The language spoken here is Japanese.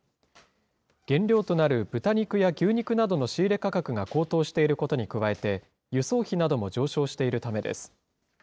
原料となる豚肉や牛肉などの仕入れ価格が高騰していることに加えて、輸送費なども上昇しているためです。